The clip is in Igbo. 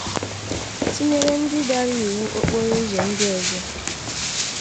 tinyere ndị dara iwu okporo ụzọ ndị ọzọ